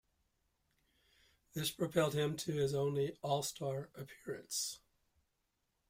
This propelled him to his only All-Star appearance.